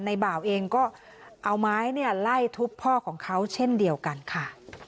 บ่าวเองก็เอาไม้ไล่ทุบพ่อของเขาเช่นเดียวกันค่ะ